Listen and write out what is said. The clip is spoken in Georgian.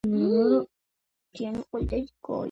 მას შეუძლია გამოჩენა, უხილავი ან სხვა სახით.